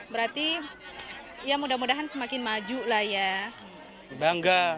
berarti mudah mudahan semakin maju lah ya